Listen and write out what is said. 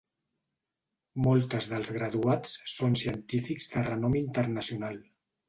Moltes dels graduats són científics de renom internacional.